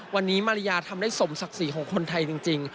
วันนี้มาริยาทำได้สมศักดิ์ศรีของคนไทยจริง